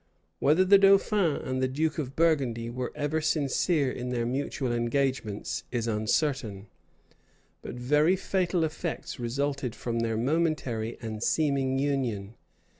Whether the dauphin and the duke of Burgundy were ever sincere in their mutual engagements, is uncertain; but very fatal effects resulted from their momentary and seeming union.